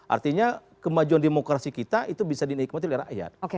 artinya kemajuan demokrasi kita itu bisa dinikmati oleh rakyat